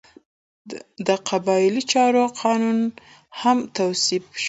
د قبایلي چارو قانون هم تصویب شو.